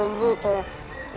langsung ke polda